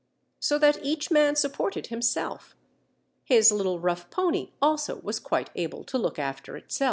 So that each man supported himself. His little rough pony also was quite able to look after itself.